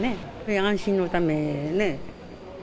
安心のためね。